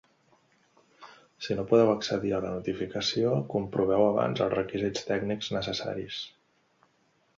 Si no podeu accedir a la notificació, comproveu abans els requisits tècnics necessaris.